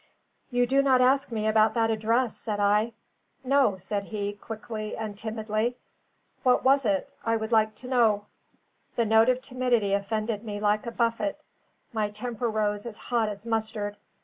"You do not ask me about that address," said I. "No," said he, quickly and timidly. "What was it? I would like to know." The note of timidity offended me like a buffet; my temper rose as hot as mustard.